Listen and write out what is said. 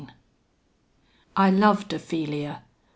II I loved Ophelia!